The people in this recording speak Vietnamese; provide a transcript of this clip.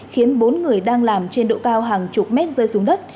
khiến bốn người đang làm trên độ cao hàng chục mét rơi xuống đất